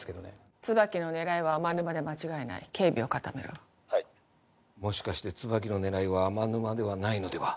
椿の狙いは天沼で間違いない警備を固めろはいもしかして椿の狙いは天沼ではないのでは？